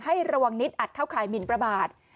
ให้ระวังนิดอาจเข้าข่ายหมินประมาท